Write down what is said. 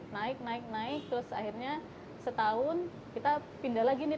naik naik naik terus akhirnya setahun kita pindah lagi nih